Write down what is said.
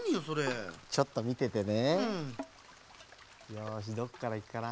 よしどっからいくかな。